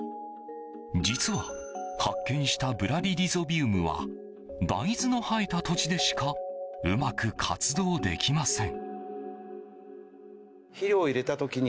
実は、発見したブラディリゾビウムは大豆の生えた土地でしかうまく活動できません。